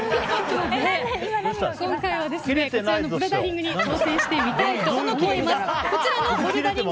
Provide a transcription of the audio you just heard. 今回は、そのボルダリングに挑戦してみたいと思います。